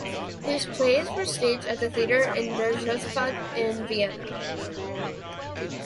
His plays were staged at the Theater in der Josefstadt in Vienna.